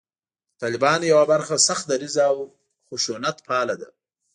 د طالبانو یوه برخه سخت دریځه او خشونتپاله ده